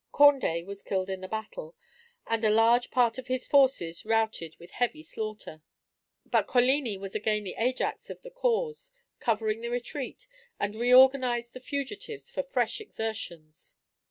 Condé was killed in the battle, and a large part of his forces routed with heavy slaughter; but Coligni was again the Ajax of the cause, covered the retreat, and reorganized the fugitives for fresh exertions.